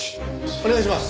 お願いします。